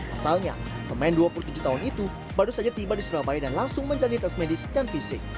asalnya pemain dua puluh tujuh tahun itu baru saja tiba di surabaya dan langsung menjalani tes medis dan fisik